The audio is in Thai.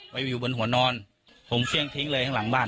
ไปอยู่บนหัวนอนผมเฟี่ยงทิ้งเลยข้างหลังบ้าน